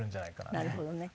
なるほどね。